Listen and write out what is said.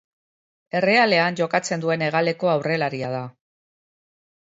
Errealean jokatzen duen hegaleko aurrelaria da.